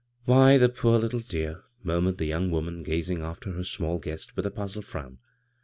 '■ Why, the poor little dear I " murmured the young woman, gazing after her small guest with a puzzled frown.